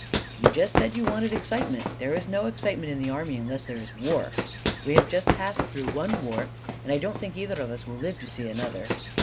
"You just said you wanted excitement. There is no excitement in the army unless there is war. We have just passed through one war, and I don't think either of us will live to see another.